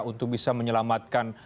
untuk bisa menyelamatkan